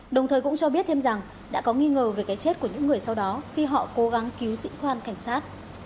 đồng thời cũng cho biết thêm rằng đã có nghi ngờ về cái chết của những người sau đó khi họ cố gắng cứu sĩ quan cảnh sát